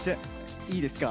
いいですか？